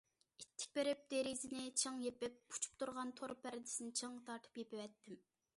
ئىتتىك بېرىپ دېرىزىنى چىڭ يېپىپ، ئۇچۇپ تۇرغان تور پەردىسىنى چىڭ تارتىپ يېپىۋەتتىم.